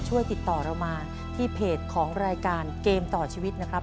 ช่วยติดต่อเรามาที่เพจของรายการเกมต่อชีวิตนะครับ